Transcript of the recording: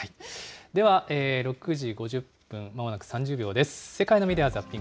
では、６時５０分まもなく３０秒です。